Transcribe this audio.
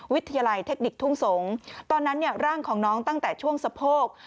วิทยาลัยเทคนิคทุ่งสงศ์ตอนนั้นเนี่ยร่างของน้องตั้งแต่ช่วงสะโพก